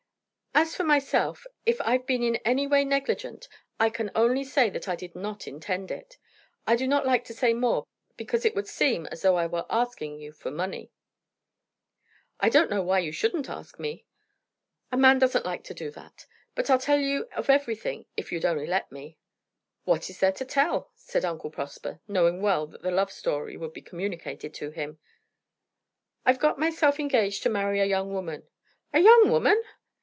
"As for myself, if I've been in any way negligent, I can only say that I did not intend it. I do not like to say more, because it would seem as though I were asking you for money." "I don't know why you shouldn't ask me." "A man doesn't like to do that. But I'd tell you of everything if you'd only let me." "What is there to tell?" said Uncle Prosper, knowing well that the love story would be communicated to him. "I've got myself engaged to marry a young woman." "A young woman!"